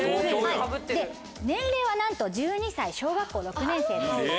年齢はなんと１２歳小学校６年生です。